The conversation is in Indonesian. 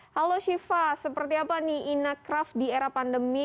halo siva seperti apa nih inacraft di era pandemi